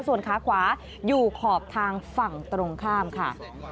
ส่วนขาขวาอยู่ขอบทางฝั่งตรงข้ามค่ะ